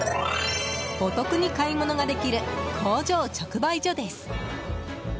お得に買い物ができる工場直売所です！